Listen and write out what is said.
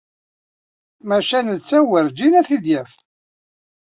Maca netta werjin ad t-id-yaf.